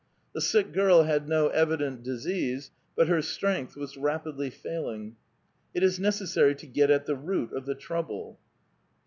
The sick girl had no evident disease, but her strength was rapidly failing. It is necessary to get at the root of the trouble. The 402 A VITAL QUESTION.